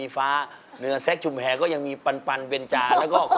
ขอบคุณพี่ยังมากครับ